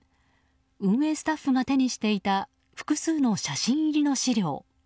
運営スタッフが手にしていた複数の写真入りの資料。